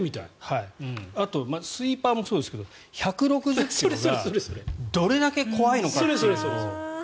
あと、スイーパーもそうですけど１６０ｋｍがどれだけ怖いのかというのを。